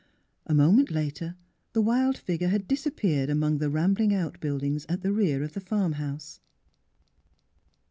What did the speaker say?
A mo ment later the wild figure had disappeared among the rambling outbuildings at the rear of the farm house.